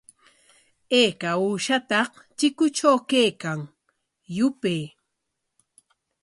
¿Ayka uushata chikutraw kaykan? Yupay.